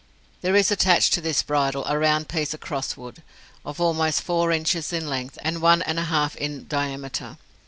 There is attached to this bridle a round piece of cross wood, of almost four inches in length, and one and a half in diameter.